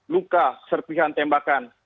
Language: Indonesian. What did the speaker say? luka serpihan tembakan